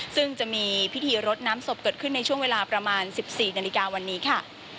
ซึ่งจะมีพิธีรดน้ำศพเกิดขึ้นในช่วงเวลาประมาณ๑๔นาฬิกาวันนี้ค่ะ